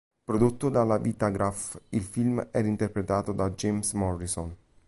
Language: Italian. Prodotto dalla Vitagraph, il film era interpretato da James Morrison.